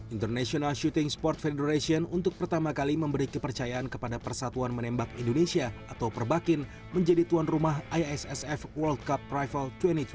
international syuting sport federation untuk pertama kali memberi kepercayaan kepada persatuan menembak indonesia atau perbakin menjadi tuan rumah issf world cup prival dua ribu dua puluh